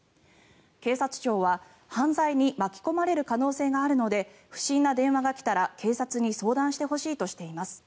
警察庁は犯罪に巻き込まれる可能性があるので不審な電話が来たら警察に相談してほしいとしています。